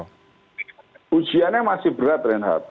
ujiannya masih berat renhard